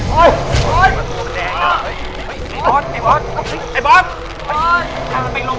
เป็นอะไร